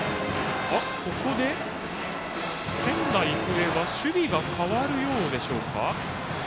ここで仙台育英は守備が変わるようでしょうか。